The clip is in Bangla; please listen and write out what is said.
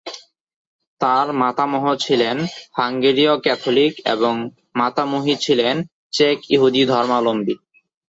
তার মাতামহ ছিলেন হাঙ্গেরীয় ক্যাথলিক এবং মাতামহী ছিলেন চেক ইহুদি ধর্মাবলম্বী।